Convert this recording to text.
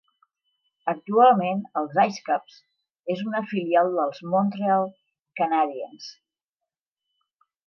Actualment els IceCaps és una filial dels Montreal Canadiens.